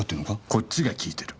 こっちが訊いてる。